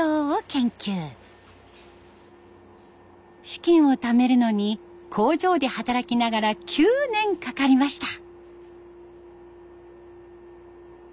資金をためるのに工場で働きながら９年かかりました。